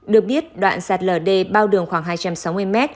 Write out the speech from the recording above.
được biết đoạn sạt lở đê bao đường khoảng hai trăm sáu mươi m